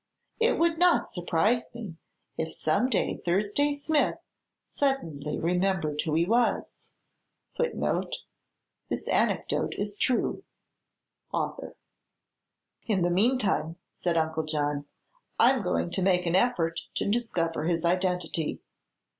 It would not surprise me if some day Thursday Smith suddenly remembered who he was." [Footnote: This anecdote is true. Author.] "In the meantime," said Uncle John, "I'm going to make an effort to discover his identity."